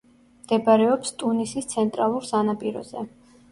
მდებარეობს ტუნისის ცენტრალურ სანაპიროზე.